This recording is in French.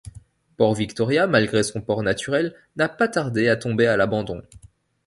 Port Victoria, malgré son port naturel, n'a pas tardé à tomber à l'abandon.